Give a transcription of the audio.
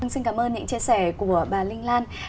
xin cảm ơn những chia sẻ của bà linh lan